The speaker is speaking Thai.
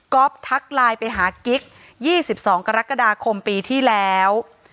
ก็ทักไลน์ไปหากิ๊ก๒๒กรกฎาคมปีที่แล้ว